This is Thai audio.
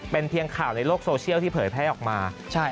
เป็นเพียงข่าวในโลกโซเชียลที่เผยแพร่ออกมา